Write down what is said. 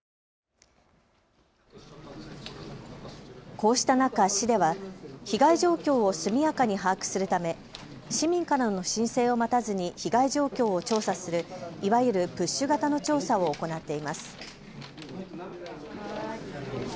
こうした中、市では被害状況を速やかに把握するため市民からの申請を待たずに被害状況を調査するいわゆるプッシュ型の調査を行っています。